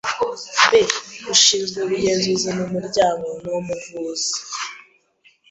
b. Ushinzwe ubugenzuzi mu muryango ni umuvuzi